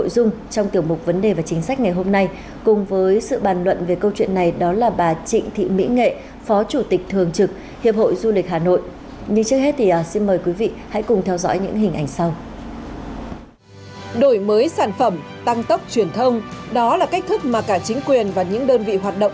đổi mới sản phẩm tăng tốc truyền thông đó là cách thức mà cả chính quyền và những đơn vị hoạt động